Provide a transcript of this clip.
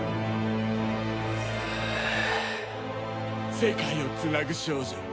世界をつなぐ少女。